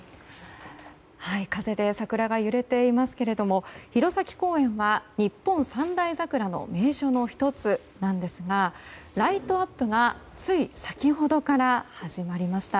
風で桜が揺れていますけれども弘前公園は日本三大桜の名所の１つなんですがライトアップがつい先ほどから始まりました。